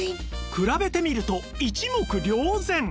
比べてみると一目瞭然！